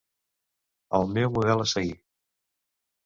El meu model a seguir...